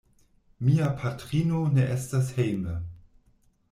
Mia patrino ne estas hejme.